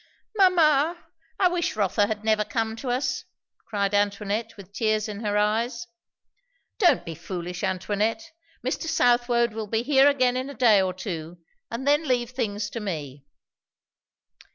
"Mamma! I wish Rotha had never come to us!" cried Antoinette with tears in her eyes. "Don't be foolish, Antoinette. Mr. Southwode will be here again in a day or two; and then leave things to me."